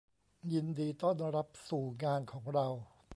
ยินดีต้อนรับสู่งานของเรา